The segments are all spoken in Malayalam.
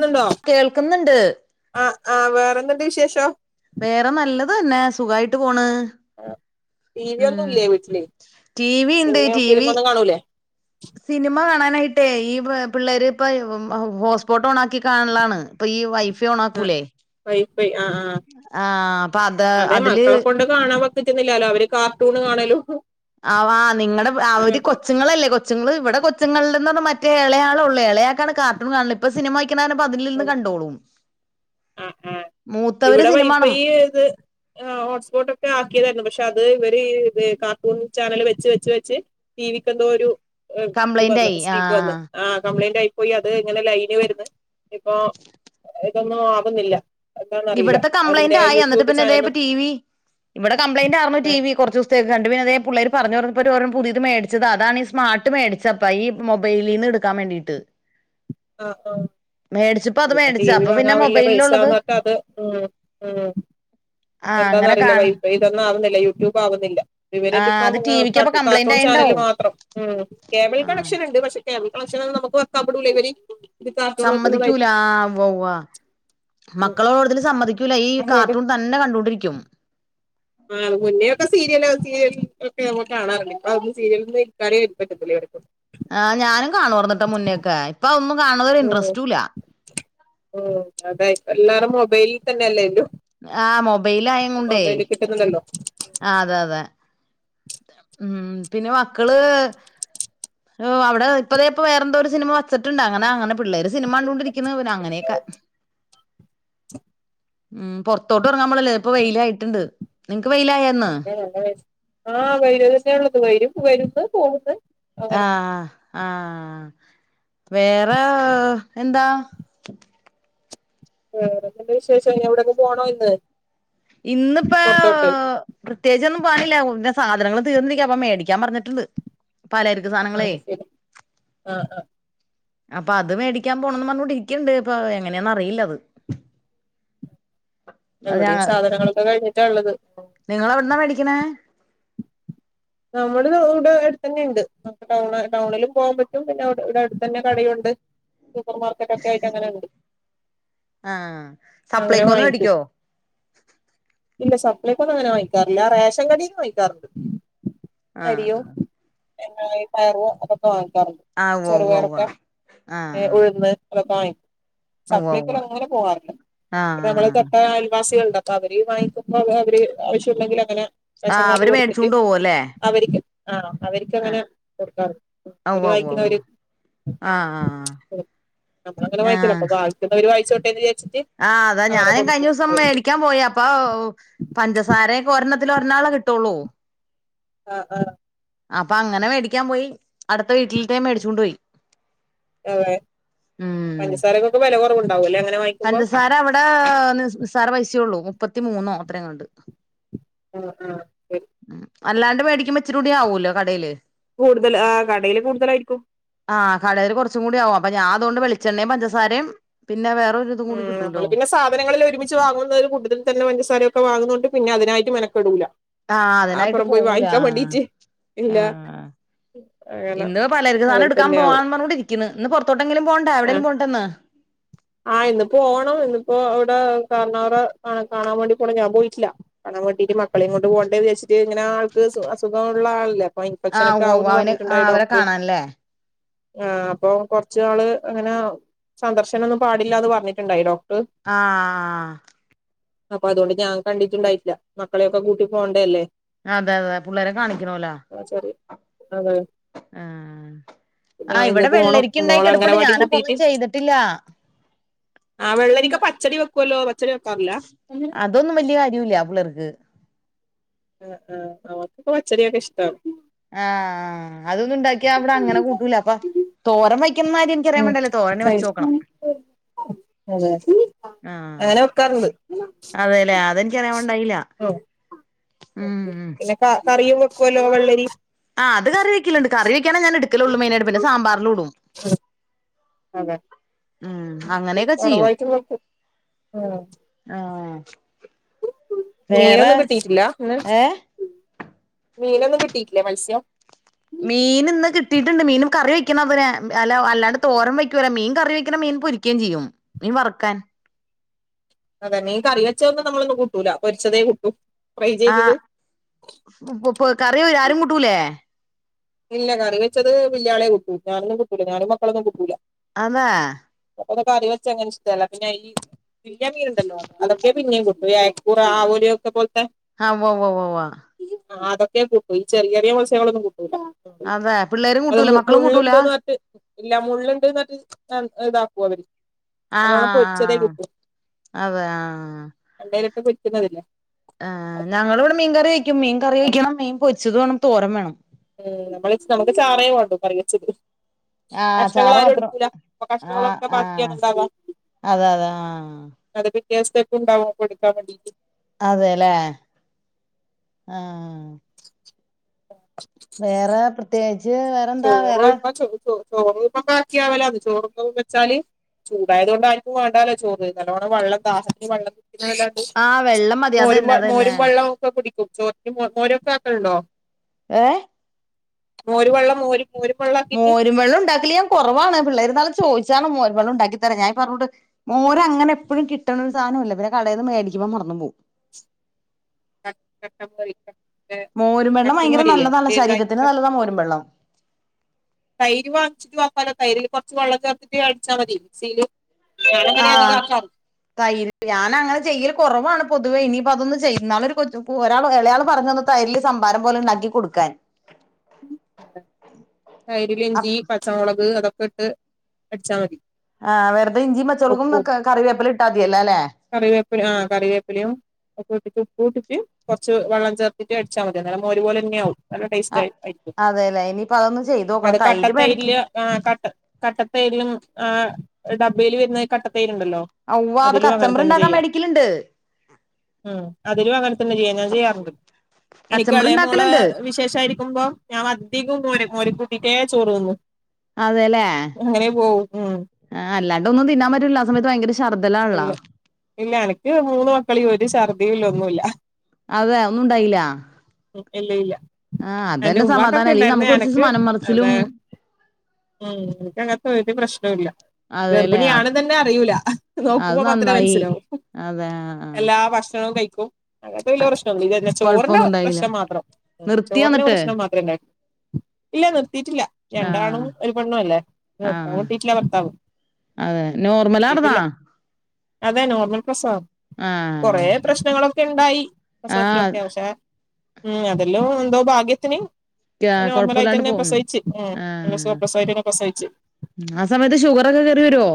ന്നുണ്ടോ കേൾക്കുന്നുണ്ട് ആ ആ വേറെന്തണ്ട് വിശേഷോ. വേറെ നല്ലതന്നെ സുഖായിട്ട് പോണ് ആ ടി വി ഒന്നും ഉം ഇല്ല വീട്ടില് ടി വി ഉണ്ട് സിനമ ടി വി ഫിലിമൊന്നും കാണൂലേ സിനിമ കാണാനായിട്ടേ ഈ പിള്ളേര് ഇപ്പ ഹോട്ട്സ്പോട്ട് ഓണ ആക്കി കാൺലാണ് അപ്പൊ ഈ വൈഫ ആ ഓണക്കൂലേ വൈഫൈ ആ ആ ആഹ അപ്പൊ അത് അതെ അതില് മക്കളെ കൊണ്ട് കാണാൻ പക്കറ്റുന്നില്ലല്ലോ അവര് കാർട്ടൂണ് കാണലു. ആവാ നിങ്ങളടെ അവര് കൊച്ചുങ്ങളല്ലേ കൊ ച്ചുങ്ങള് ഇവിടെ കൊച്ചങ്ങള് പറ മറ്റേളയാളള്ളൂ ഇളയാക്കാണ് കാർട്ടൂൺ കാണുന്നത് ഇപ്പൊ സിനിമ ക്കിന പ്പ അതിൽ നിന്ന് കണ്ടോളും ആ ആ മൂത്തവര് ഇവിടെ സിനിമ വൈഫൈ കാണും ഏത് ആ ഹോട്ട്സ്പോട്ട് ഒക്കെ ആിയതായിരുന്നു പക്ഷെ അത് ഇവര് കാർട്ടൂൺ ചാനൽ വെച്ച് വെച്ച് വെച്ച് ടീവീക്കെന്തോരു ഇത് വ കംപ്ലൈന്റ് ആയി സ്ത്രീക്ക് വന്നന്ന് ആഹ് ആ കംപ്ലൈന്റ് ആയി പോയി അത് ഇങ്ങനെ ലൈനി വന്ന് ഇപ്പൊ ഇതൊന്നും ആവുന്നില്ല എന്താന്നറിയില്ല ഇവിടത്തെ അതിന്റെ ആ കംപ്ലയിന്റയി യൂട്യൂബ് എന്നിട്ട്ന്നെതേ ചാനലും ടിവി ഇവിടെ കംപ്ലൈന്റ് ആരുന്നു അതെ ടിവി കോർചുസ് കണ്ടു പിന്നെതേ പിള്ളേര് പറഞ്ഞഞ് പറഞ്ഞപ്പോ ഓരോ പുതിയത് മേടിച്ചത് അതാണ് ഈ സ്മാർട്ട് മേിച്ചപ്പപ്പോ ഈ മൊബൈലിന്ന് എടു ക്കാവേണ്ടിട്ട് ആ ആ മേടിച്ചപ്പോ അത് ഇപ്പ ടി മേടിച്ച വി അപ്പൊ വാങ്ങ പിന്നെ വല മൊബൈലിലുള്ളത് പൈസന്ന അതെ ഉം ഉം ആ എന്താന്നന്ന് അങ്ങനെ അറിയില്ല കാണാ വൈപ്പയ് ഇതൊന്നും ആവുന്നില്ല യൂട്യൂബ് ആവുന്നില്ല ആ ഇവരായിട്ടിപ്പം അത് ടി വിക്ക് അപ്പൊ കംപ്ലൈന്റ് കാർട്ടൂൺ ആയിണ്ടാവും ചാനൽമാത്രം കേബിൽ ആ കണക്ഷൻ ഇണ്ട് പശേ കേരളക്ഷന നമക്ക് വെക്കാൻ ഇവര് ഇത് കാർട്ടൂൺ കാമ്മതിക്കൂല വെക്കുന്നതായിട്ട് ആ വോവ മക്കളോട്തൽ സമ്മതിക്കൂല ഈ അതുകൊണ്ട് കാർട്ടൂൺ ത ന്നെ കണ്ടുകൊണ്ടിരിക്കും ആ മുന്നേ ഒക്കെ സീരിയല് സീയൽ ഒക്കെ കാണാറണ്ട് അപ്പ അതൊന്ന് സീരിയൽന്ന് ഇക്കാരേ പറ്റത്തില്ലേ അവർ ആ ഞാനും കാണോർന്ന്ട്ടൊ മുന്നേക്കെ ഇപ്പൊ ഒന്നും കാണവര് ഇൻറസ്റ്റല്ല ഉ അതായി എല്ലാരും മൊബൈലിൽ തന്നെ അല്ലേ എല്ലു ആഹ മൊബൈലായങ്ങോണ്ട ട്ട്ലല്ലോ ആ അതെ അതെ ഉം പിന്നെ മക്കള് ഓ അവിടെ ഇപ്പോതേപ്പപ്പോ വേറെന്ത ഒരു സിനിമ വച്ചട്ടുണ്ട് അങ്ങനെ അങ്ങനെ പിള്ളേര് സിനിമ കണ്ട കൊണ്ടിരിക്കുന്നത് അങ്ങനെയൊക്കെ ഉം പൊറത്തോട്ട് ഉറങ്ങാൻ പോളല്ലേ ഇപ്പൊ വെയിലായിട്ടുണ്ട് നിങ്ങക്ക് വെയിലായന്ന് ആ ആ ആഹ വായിൽ തന്നെയ ഉള്ളത് വരും വന്ന് പോകുന്നു ആഹ ആഹ വേറെ എന്താ വേറെന്തന്റെ വിശേഷം എവിടെയൊക്കെ പോണോ ഇന്ന് ഇന്നിപ്പൊ പുറത്തോട്ട് പ്രത്യേകിച്ചൊന്നും പണീല്ല പിന്നെ സാധനങ്ങൾ തീർന്നിരിക്കാ അപ്പ മേടിക്കാൻ പറഞ്ഞിട്ടുണ്ട് പലര്ക് സാധനങ്ങളേ അത് ശരി ആഹ് ആഹ് അപ്പൊ അത് മേടിക്കാൻ പോണംന്ന് പറഞ്ഞോണ്ടിരിക്കുണ്ട് ഇപ്പൊ എങ്ങനെയന്ന അറിയില്ല അത് എവിടെയും സാധനങ്ങളൊക്കെ കഴിഞ്ഞിട്ടാള്ളത് നിങ്ങൾ എവിടന്നാ മേടിക്കണേ നമ്മൾ ഇവിടെ അടുത്ത് തന്നെ ഉണ്ട് നമുക്ക് ടൗണ ടൗണിലും പോകാൻ പറ്റും പിന്നെ ഇവിടെ അടുത്ത് തന്നെ കടയുണ്ട് സൂപ്പർ മാർക്കറ്റ് ഒക്കെ ആയിട്ട് അങ്ങനെ ഉണ്ട് ആ അങ്ങനെ സപ്ലൈകൊന്ന് വാങ്ങിക്കും മേടിക്കോ ഇല്ല സപ്ലൈ കൊങ്ങനെ വാങ്ങിക്കാറില്ല റേഷൻ കടേന്ന് വാങ്ങിക്കാറുണ്ട് അരിയോ ആഹ് എന്നായൊ പയർ അതൊക്കെ വാങ്ങിക്കാറുണ്ട് ആഹ് ഉവ്വ ഉവ്വ ഉവ്വ ചെറുപയറൊക്കെ ഏ ആഹ് ഉഴുന്ന് അതൊക്കെ വാങ്ങിക്കും ഉവ്വ സപ്ലൈക്കോ ഉവ്വ അങ്ങനെ പോവാറില്ല നമ്മള് ആഹ് തൊട്ട അയൽവാസികൾ ഉണ്ട് അപ്പൊ അവര് വാങ്ങിക്കുമ്പോ അവ അവര് ആവശ്യമുണ്ടെങ്കിൽ അങ്ങനെ റേഷൻ കാർഡ് കൊടുത്തിട്ട് പോവുലെ അവരിക്ക് ആഹ് അവർക്ക് അങ്ങനെ കൊടുക്കാർ അവര് ഉവ്വ ഉവ്വ ഉവ്വ വാങ്ങിക്കുന്നവര് ആഹ് ആഹ് നമ്മളങ്ങനെ വാങ്ങിക്കില്ലാ ആഹ് അപ്പൊ ബാക്കിയുളളവർ വാങ്ങിച്ചോട്ടെ എന്ന് വിചാരിച്ചിട്ട് ആഹ് അതാ അങ്ങനെ ഞാനും കഴിഞ്ഞ കൊടുക്കും ദിവസം അവർക്ക് മേടിക്കാൻ പോയാ ഇപ്പൊ പഞ്ചസാരയൊക്കെ ഒരെണ്ണത്തിൽ ഒരന്നാളെ കിട്ടുള്ളൂ ആ ആ അപ്പൊ അങ്ങനെ മേടിക്കാൻ പോയി അടുത്ത വീട്ടിലിൽതെ മേടിചൊണ്ട് പോയി അതെ ഉം പഞ്ചസാരൊക്കെ വില കുറവ് ഉണ്ടാവുല്ലേ അങ്ങനെ വാങ്ങി പഞ്ചസാര അവിടെ നിസ്സാര പൈസയള്ളൂ മുപ്പത്തിമൂന്നോ അത്രങ്ങാണ്ട് ആ ആ അല്ലാണ്ട് മേടിക്കുപൊ ഇച്ചിരി കൂടി ആവൂല്ലോ കടയിൽ കൂടുതൽ ആ കടയില് കൂടുതലായിരിക്കും ആഹ് കടൽ കുറച്ചും കൂടി ആവും അപ്പൊ ഞാൻ അതൊണ്ട് വെളിച്ചെണ്ണയും, പഞ്ചാരയും പിന്നെ വേറെ ഉം നമ്മള് പിന്നെ സാധനങ്ങളിൽ ഒരു വാങ്ങുന്നത് ഒരു കൂട്ടതിൽ തന്നെ പഞ്ചാസാരൊക്കെ വാങ്ങുന്നത് കൊണ്ട് പിന്നെ അതിനായിട്ട് മെനക്കെടൂല ആഹ് അതിനായിട്ട് അപ്പുറം പോയി പോവൂല വാങ്ങിക്കാൻ ആ വേണ്ടീട്ട് ഇല്ല അങ്ങനെ ഇന്ന് പലചരിക്ക സാധനം അതിൽ എടുക്കാൻ തന്നെ പോവാ ആവും പറഞ്ഞു ഇന്ന് പുറത്തോട്ടെങ്കിലും പോണ്ടേ ആ എവിടെങ്കിലും പോണ്ടേ ഇന്ന് ആഹ് ഇന്ന് പോണം ഇന്നിപ്പോ ഇവിടെ കാർണോറെ കാണാൻ വേണ്ടി പോണം ഞാൻ പോയിട്ടില്ല പണം കിട്ടീട്ട് മക്കളീം കൊണ്ട് പോണ്ടേ വിചാര്ച്ച്ട്ട് ഇങ്ങനെ ആൾക്ക് അസുഖ ഉള്ള ആളല്ലേ അപ്പൊ ഇൻഫെക്ഷൻ ആഹ് ഒക്കെ ഉവ്വ് ഉവ്വ് ആവുന്ന് അവന് പറഞ്ഞിട്ടുണ്ടായി ആഹ് അവരെ ഡോക്ടർ കാണാൻല്ലേ ആ അപ്പൊ കൊറച്ച് നാള് അപ്പൊ അങ്ങനെ സന്ദർശം ഒന്നും പാടില്ലാന്ന് പറഞ്ഞിട്ടുണ്ടായി ഡോക്ടർ ആ ആഹ് അപ്പൊ അതുകൊണ്ട് ഞാൻ കണ്ടിട്ടുണ്ടായില്ല മക്കളെയൊക്കെ കൂട്ടി പോകണ്ടേ അല്ലേ അതെ അതെ പിള്ളേരെ കാണിക്കണല്ലേ ആ ശെരി അതെ ആഹ് ആ ആഹ് ഇന്ന് ഇവിടെ പോണം വെള്ളരിക്ക ഇണ്ടായി മോള കിടപ്പുണ്ട് അംഗനവാടി ഞാനപ്പൊ ഒന്നും കൂട്ടിയിട്ട് ചെയ്തിട്ടില്ല ആ വെളളരിക്ക പച്ചടി വെക്കല്ലോ പച്ചടി വെക്കാറില്ല അതൊന്നും വലിയ കാര്യമില്ല പിള്ളേർക്ക് ആ ആ അവർക്കൊക്കെ പച്ചടി ഒക്കെ ഇഷ്ടം ആഹ് അതൊന്നും ഇണ്ടാക്കിയാ ഇവിടെ അങ്ങനെ കൂട്ടൂല അപ്പ തോരം വയ്ക്കുന്നകാര്യം എനിക് അറിയാൻ ഉം വേണ്ടി തോരൻ വെച്ചോക്കണം ഏഹ് ആഹ് എങ്ങനെ വെക്കാ അതെല്ലേ അതെനിക്കറിയാൻ പാടിണ്ടായില്ല ഉം ഉം ഉം പിന്നെ കറിയും വെക്കുവല്ലോ വെള്ളരി ആ അത് കറി വക്കലുണ്ട് കറി വക്കാന ഞാൻ എടുക്കലുള്ളൂ മൈനായിട്ട് പിന്നെ സാമ്പാറിലിടും അതെ ഉം അങ്ങനെയൊക്കെ ചെയ്യും കുറവായിട്ട് വെക്കും ഉം ആഹ് വേറെ മീനൊന്നും കിട്ടിട്ടില്ല ഏഹ് മീനൊന്നും കിട്ടീട്ടില്ല ഇന്ന് മത്സ്യം മീൻ ഇന്ന് കിട്ടീട്ടുണ്ട് മീനും കറി വെക്കണം പിന്നെ അല്ല അല്ലാണ്ട് തോരം വയ്ക്കൂല മീൻ കറി വെക്കണം മീൻ പൊരി ക്കെയും ചെയ്യും മീൻ വറക്കാൻ അതെ മീൻ കറി വെച്ചതൊന്നും നമ്മളൊന്നും കൂട്ടൂല്ല പൊരിച്ചതേ കൂട്ടൂ ഫ്രൈ ചെയ്തത് ആഹ് കറി ആരും കൂട്ടൂലേ ഇല്ല കറി വെച്ചത് വല്യാളെ കൂട്ടൂ ഞാനൊന്നും കൂട്ടുല്ല ഞാനും മക്കളൊന്നും കൂട്ടൂല അതെ ഇവിടെ കറി വെച്ചത് അങ്ങനെ ഇഷ്ടല്ല പിന്നെ ഈ വല്യ മീൻണ്ടല്ലോ അതൊക്കെ പിന്നെയും കൂട്ടും ഈ അയ്ക്കൂറ ആവോലി ഒക്കെ പോല്ത്തെ ആഹ് ഉവ്വ് വ്വ് വ്വ അതൊക്കെ കൂട്ടും ഈ ചെറിയ ചെറിയ മത്സ്യങ്ങളൊന്നും കൂട്ടൂല്ല അതെ പിള്ളേരും അത് കൂട്ടൂല മക്കളും കൂട്ടൂല മുള്ളുണ്ട്ന്ന് പറഞ്ഞിട്ട് ഇല്ല മുള്ളൂണ്ട്ന്ന് റ്ഞ്ഞ് ഇതാക്കൂ അവര് നല്ലോണം പൊരിച്ചതേ കുട്ടുള്ളൂ അതെയ് ആഹ് രണ്ടേരോക്കെ പോരിക്കുന്നതില്ലേ ആഹ് ഞങ്ങൾ ഇവിടെ മീൻ കറി വെക്കും മീൻ കറി വെയ്ക്കണം മീൻ പൊരിച്ചത് വേണം തോരം വേണം ഉം നമ്മളച്ച് നമുക്ക് ചാറേ വേണ്ടു കറിവെച്ചത് ആഹ് കഷ്ണങ്ങൾ അച്ചാറ് ആരും മാത്രം എടുക്കൂല അപ്പൊ കഷ്ണങ്ങളൊക്കെ ബാക്കിയണുണ്ടാവാ അത അതാ ആഹ് അത് പിറ്റേ ദിവസത്തേക്കും ണ്ടാവും കൊടുക്കാൻ ഉള്ളത് അതെല്ലേ ആഹ് ആ [unintelligible] വേറെ പ്രത്യേകിച്ച് വേറെ വേറെന്താ ചോറും ഇപ്പ ചോ ചോ ചോറും ഇപ്പൊ ബാക്കിയാവലാണ് അത് ചോറപ്പോ വെച്ചാല് ചൂടായത് കൊണ്ടാരിക്കും വേണ്ടാലോ ചോറ് നല്ലവണ്ണം വള്ളം ദാഹം വേണ്ടത് വള്ളം ആഹ് വെള്ളം മതി മോരും വ അതന്നെ അതന്നെ മോരും വെള്ളം ഒക്കെ കുടിക്കും ചോറ്റിന് മോരൊക്കെ ആക്കലുണ്ടോ ഏഹ് മോര് വെള്ളം മോര് മോരും വെള്ളം ആക്കിയിട്ട് മോരും വെള്ളം ഉണ്ടാക്കല് ഞാൻ കുറവാണ് പിള്ളേരിന്നാള് ചോദിച്ചാണ് മോരും വെള്ളം ഉണ്ടാക്കി തരാൻ ഞാൻ പറഞ്ഞോണ്ട് മോര അങ്ങനെ എപ്പോഴും കിട്ടണ ഒരു സാധന ഇല്ല പിന്നെ കടയിൽന്ന് മേടിക്കുമ്പോ മറന്നു പോവും [unintelligible] മോരും വെള്ളം ഭയങ്കര കട്ടിമൊരില്ലേ നല്ലതാണ് ശരീരത്തിന് നല്ലതാ മോരും [unintelligible] വെള്ളം തൈര് വാങ്ങിച്ചിട്ട് ആക്കാല്ലോ തൈരിൽ കുറച്ച് വെള്ളം ചേർത്തിട്ട് അടിച്ചാ മതി മിക്സിയില് ഞാനങ്ങനെ അധികം ആഹ് ആക്കാറ് തൈര് ഞാന അങ്ങനെ ചെയ്യൽ കുറവാണ് പൊതുവേ ഇനിയിപ്പോ അതൊന്ന് ചെയ്യുന്ന ആഹ് ഇന്നാൾ ഒരു കൊ ഒരാൾ ഇളയാൾ പറഞ്ഞിന് തൈരിൽ സംഭാരം പോലെ ഉണ്ടാക്കി കൊടുക്കാൻ തൈരിലിഞ്ചി പച്ചമുളക് അതൊക്കെ ഇട്ട് അടിച്ചാൽ മതി ആഹ് വെറുതെഞ്ചിയുംപച്ചളക്കും ഉപ്പും കറി കറിവേപ്പിലയും ഇട്ടാതിയല്ലേ അല്ലെ കറിവേപ്പില ആഹ് കറിവേപ്പിലയും ഒക്കെ ഇട്ടിട്ട് ഉപ്പൂട്ടിട്ട് കുറച്ച് വള്ളം ചേർത്തിട്ട് അടിച്ചാ മതി അന്നരം മോരു പോലെ തന്നെ ആവും നല്ല ടേസ്റ്റ് ആ ആയി ആയിട്ടും അതെല്ലേ ഇനിപ്പ അതൊന്ന് ചെയ്ത് നോക്കണം തൈര് മേടിക്കാം ആഹ് കട്ട കട്ടതൈരിലും ആഹ് ഡബയിൽ വരുന്ന കട്ട തൈരുണ്ടല്ലോ ഔവ്വ അത് അതിലും അങ്ങനെ കച്ചമ്പറ് തന്നെ ഉണ്ടാക്കാൻ ചെയ്യാം മേടിക്കലുണ്ട് ഉം അതിലും അങ്ങനെ തന്നെ ചെയ്യാം ഞാൻ ചെയ്യാറുണ്ട് എനിക്ക് കച്ചമ്പറ് എളയ മോള ഉണ്ടാക്കലുണ്ട് വിശേഷ ആയിരിക്കുമ്പോ ഞാന് അധികും മോര് മോരു കുട്ടിട്ടേ ചോറ് തിന്നു അതെല്ലേ അങ്ങനെ പോവും ഉം ആഹ് അല്ലാണ്ട് ഒന്നും തിന്നാ പറ്റൂല ആഹ് സമയത്ത് ഭയങ്കര ശർദ്ദലാ ണലൊ ഇല്ല ഇല്ല എനക്ക് മൂന്ന് മക്കളീഒരു ശർദ്ദി ഇല്ലൊന്നുല്ല അതെ ഒന്നും ഉണ്ടായില്ല ഇല്ല ഇല്ല ആ എന്റെ അതന്നെ സമാധാനം ഉമ്മകൊകെ അല്ലെങ്കിൽ ഇണ്ടായര്ന്ന് നമുക്ക് കുറച്ച് എനിക്ക് മനം മറിച്ചിലും അതെ ഉം എനക്ക്ങ്ങനത്തെ ഒര് പ്രശ്നോല്ല അതെല്ലേ ഗർഭിണിയാണന്ന്ന്നെനെ അറിയു ല അത് നോക്കുമ്പോ മത്രേ നന്നായി മനസ്സിലാവു അതെ ആ എല്ലാ ഭക്ഷണവും കഴിക്കും അങ്ങനത്തെ വലിയ പ്രശ്നന്നുല പിന്നെ ചോറിന്റെ കൊഴപ്പൊന്നും ഉണ്ടായില്ല പ്രശ്നം മാത്രം നിർത്തിയോ ചോറിന്റെ എന്നിട്ട് പ്രശ്നം മാത്രെണ്ടായി ഇല്ല നിർത്തിട്ടില്ല രണ്ടാണും ആഹ് ഒരു പെണ്ണും അല്ലേ ഞാൻ ആഹ് നിർത്തിട്ടില്ല ഭർത്താവും അതെ നോർമലാർന്നാ നിർത്തിട്ടില്ല അതെ നോർമൽ പ്രസവകൊറേ ആഹ് പ്രശ്നങ്ങളൊക്കെ ഇണ്ടായി ആഹ് പ്രസവത്തിലൊക്കെ പക്ഷെ ഉം അതല്ലോ എന്തോ ഭാഗ്യതിന് കൊഴപ്പല്ലാണ്ട് നോർമലായ്ട്ടന്നെ പോന്ന് പ്രസവിച്ച് ഉം പ്രസവ പ്രസവയ്ട്ടന്നെ പ്രസവിച്ച് ആഹ് സമയത്ത് ഷുഗറക്കെകേറി വര്വൊ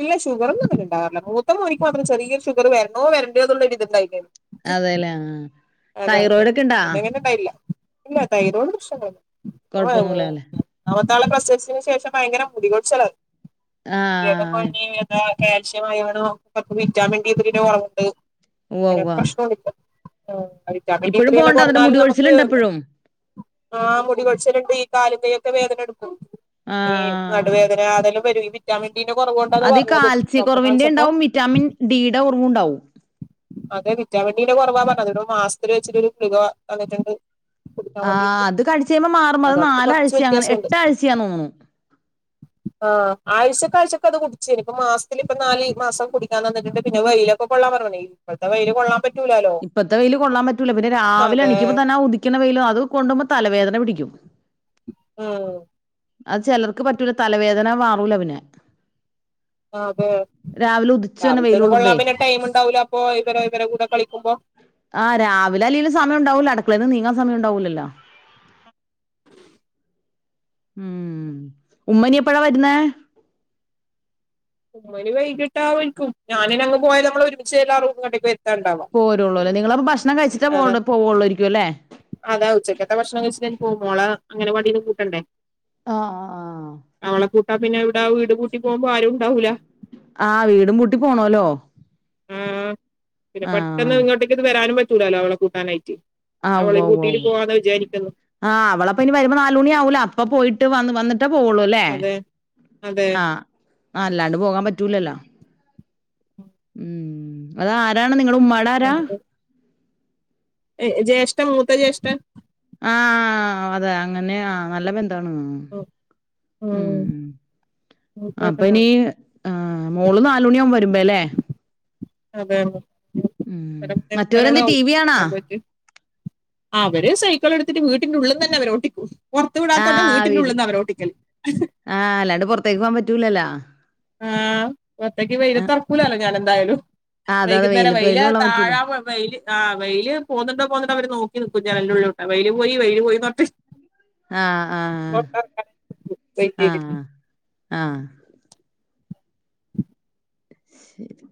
ഇല്ല ഷുഗറൊന്നുംങ്ങനെണ്ടാകാറ്ല്ല മൂത്ത മോന്ക്ക് മാത്രം ചെറിയൊര് ഷുഗറ് വെര്ണോ വരേണ്ട്യൊ ന്ന്ള്ളര്ത്ണ്ടായ്ര്ന്ന് അതെല്ലേ ആഹ് അതാണ് തൈറോയിഡ് ഒക്കെ ഇണ്ടാ പിന്നെ അങ്ങനെണ്ടായ്ല്ല ഇല്ല തയ്റോട് പ്രശ്നങ്ങണ്ടായ്ന് ഓ ആഹ് വെ കൊഴപ്പൊന്നുല്ലാല്ലെ ന്നാമത്താളെ പ്രസവ്ച്ചേന് ശേഷം ഭയങ്കര മുടികോയ്ച്ച്ലാന്ന് ആഹ് മുടി‌ക്കെകൊയ്ഞ്ഞ്ന്താ ക്യാൽഷ്യം അയണും പ്പംവിറ്റാമിൻഡിത്രീടെ കൊറവ്ണ്ട് ഉവ്വ അങ്ങനെ ഉവ്വ പ്രശ്നാണിപ്പം ഉം ഇപ്പഴും വിറ്റാമിൻഡീത്രീന്നെ പോവ്ണ്ടോ എന്നിട്ട് കൊറഞ്ഞാലും മുടി നമുക്ക് കൊഴിച്ചിലുണ്ടോ ഇപ്പഴും ആഹ് മുടികൊഴിച്ച്ല്ണ്ട് ഈകാലുംകയ്യൊക്കെ വേദനട്ക്കും ഏഹ് ആഹ് നടുവേദന അതെല്ലാവര് വി റ്റാമിൻഡിന്റെ കൊറവ്കൊണ്ടാന്ന അത് ഈ പറഞ്ഞത് കാൽസ്യ ഡോക്ടറെ കൊറവിന്റെ കാൺച്ചപ്പോ ഇണ്ടാവും വിറ്റാമിൻ ഡിയുടെ കൊറവും ഇണ്ടാവും അതെ വിറ്റാമിൻഡീന്റെ കൊറവാപറഞ്ഞത് ഒര് മാസ്ത്തില് വെച്ച്ട്ടൊര് തുകവ വന്ന്ട്ട്ണ്ട് ആഹ് അത് കട്ച്ചയ്മ്പം മാറും അത് അതുകൊണ്ടിപ്പോ കുറച്ച് നാലാഴ്ചങ്ങ് എട്ടാഴ്ചയാന്ന് തോന്ന്ണു പ്പാ ആഴ്ചക്കാഴ്ചക്ക് അത് കുടിച്ചേന് പ്പം മാസ്ത്ത്ലിപ്പം നാല് മാസം കുടിക്കാൻ തന്ന്ട്ട്ണ്ട് പിന്നെ വെയ്ലെക്കെകൊള്ളാൻപറഞ്ഞ്ന് ഇപ്പഴ്ത്തെ വെയ്ല് കൊള്ളാം ഇപ്പത്തെ വെയ്ല് കൊള്ളാൻ പറ്റുല പിന്നെ രാവിലെ അതെ എണിക്കുമ്പോ തന്നെ ഉദിക്കണ വെയ്ല് അത്കൊണ്ടുമ്പോ തലവേദന പിടിക്കും ഉം അത് ചെലർക്ക് പറ്റുല തലവേദന വാറൂലപിന്നെ ആതേ രാവിലെ ഉദിച്ചു തന്നെ വെയില് രാവിലത്തേത് കൊള്ളുമ്പേ കൊള്ളാപിന്നെ ടൈംമ്ണ്ടാവൂലപ്പൊ ഇവരെ ഇവരെ കൂടെ കളിക്കുമ്പോ ആഹ് രാവിലല്ലെലും സമയണ്ടാവുല്ല അടുക്ക്ളെന്ന്നീങ്ങാൻ സമയ്ണ്ടാവൂലല്ലോ ഉം ഉമ്മനിപ്പെഴാ വരുന്നേ ഓര് വൈകിട്ടാവൽക്കും ഞാനിനങ്ങ് പോയാല് നമ്മളൊര്മിച്ച്ല്ലാ റൂമുകണ്ടെക് പോരുള്ളൂല്ലേ നിങ്ങളപ്പം ഭക്ഷണം അതെ കഴിച്ച്ട്ടാപോവ്ള്ള് പോവുള്ളാര്ക്ക്വല്ലേ അതാ ഉച്ചക്കത്തെ ഭക്ഷണം കയ്ച്ച്ട്ടെന്നെ പോവു മോളെ അങ്ങനെവാടിന്ന് കൂട്ടണ്ടേ ആഹ് ആഹ് അവളെ കൂട്ടാ പിന്നവ്ടെ വീട് പൂട്ടിപോംമ്പോ ആരും ഉണ്ടാവൂല ആഹ് വീടുംപൂട്ടി പോണോല്ലോ ഉം പിന്നെ പെട്ടെന്ന് ആഹ് ഇങ്ങോട്ടേക്ക് വരാനും പറ്റൂലാലോ അവളെ കൂട്ടാനായ്ട്ട് ആഹ് ഉവ്വ അവളേം ഉവ്വ കൂട്ടിട്ട് ഉവ്വ പോവാന്ന വിചാര്ക്ക്ന്ന് ആഹ് അവളപ്പനി വരുമ്പോ നാലൂണിയാകുല്ലോ അപ്പപോയിട്ട് വ വന്നിട്ടാ പോവ്ള്ള് ല്ലേ അതെ അതെ ആഹ് അല്ലാണ്ട് പോകാൻപറ്റൂലല്ലോ ഉം അതാരാണ് നിങ്ങടുമ്മാടെ ആരാ ഏഹ് ജേഷ്ഠൻ മൂത്ത ജേഷ്ഠൻ ആഹ് അതാ അങ്ങനെയാ നല്ല ബന്ധാണ് ആഹ് ഉം, ഉം ഉം അപ്പ്നീ മൂത്തേട്ടനാണ് ആഹ് മോള് നാലൂണിയാവും വരുമ്പെല്ലേ ഉം മറ്റവരെന്ത് ടി വി കാണാ [unintelligible] അവര് സൈക്കിളെട്ത്ത്ട്ട് വീട്ട്ന്റുള്ള്ന്നന്നെ അവര് ഓട്ടിക്കും പൊറത്ത് വിടാത്തോണ്ട് ആഹ് വീട് വീട്ട്നുള്ള്ന്നാവരോട്ടിക്കൽ ആഹ് അല്ലാണ്ട് പൊറത്തേക്ക് പോവാൻ പറ്റൂലല്ലോ ആഹ് പൊർത്തേക്ക് ആഹ് വെയ്ലത്തെറക്കൂലല്ലോ ഞാനെന്തായാലും അതെ അതെ വൈകുന്നേരം വെയിലത്ത് വെയ്ല് വെയില് കൊള്ളാൻ പറ്റൂല താഴാപോയ വെയ്ല്ല് ആഹ് വെയ്ല് പോന്നുണ്ടോ പോന്നുണ്ടോ അവര് നോക്കി നിക്കും ജനല്ന്റെള്ള്ലൂട്ടെ വെയ്ല് പോയ് വെയ്ല് പോയ്ന്നർഞ്ഞ്ട്ട് ആഹ് ആഹ് വെയിറ്റ് ചെയ്തിട്ട് ആഹ് ആഹ് ശെരി